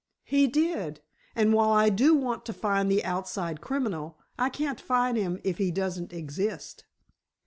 "He did; and while I do want to find the outside criminal, I can't find him if he doesn't exist."